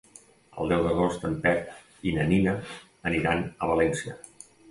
El deu d'agost en Pep i na Nina aniran a València.